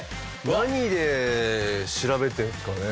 何で調べてるんですかね？